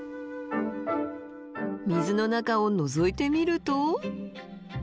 水の中をのぞいてみると。